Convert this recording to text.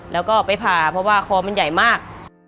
แล้วก็ไปผ่าเพราะว่าคอมันใหญ่มาก